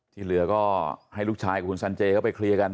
ที่เหลือก็ให้ลูกชายกับคุณสันเจเข้าไปเคลียร์กัน